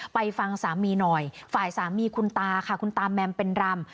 ไปฟังสามีหน่อยฝ่ายสามีคุณตาค่ะคุณตาแมมเป็นรำ